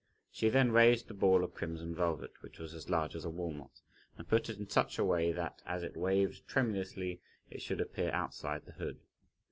She then raised the ball of crimson velvet, which was as large as a walnut, and put it in such a way that, as it waved tremulously, it should appear outside the hood.